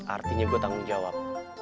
artinya gue tanggung jawab